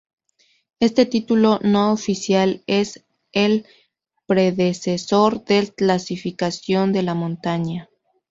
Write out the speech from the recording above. Este título no oficial es el predecesor del clasificación de la montaña.